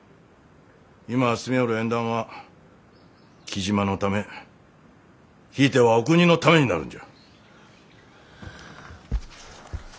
今進みょおる縁談は雉真のためひいてはお国のためになるんじゃ。